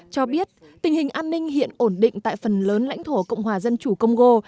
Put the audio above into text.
cho biết tình hình an ninh hiện ổn định tại phần lớn lãnh thổ cộng hòa dân chủ congo